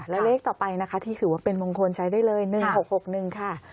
และเลขต่อไปนะคะที่ถือว่าเป็นมงคลใช้ได้เลย๑๖๖๑ค่ะ